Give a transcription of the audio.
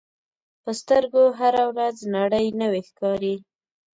په سترګو هره ورځ نړۍ نوې ښکاري